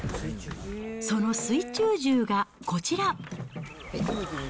その水中銃がこちら。